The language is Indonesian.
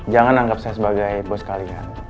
jangan anggap saya sebagai bos kalian